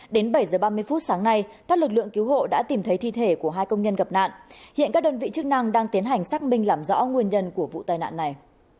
đến bảy h ba mươi phút sáng nay các lực lượng cứu hộ đã tìm thấy thi thể của hai công nhân gặp nạn hiện các đơn vị chức năng đang tiến hành xác minh làm rõ nguyên nhân của vụ tai nạn này